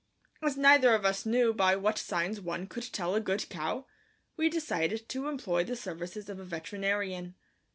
As neither of us knew by what signs one could tell a good cow, we decided to employ the services of a veterinarian.